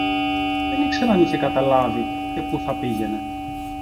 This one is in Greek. Δεν ήξερα αν είχε καταλάβει, και πού θα πήγαινε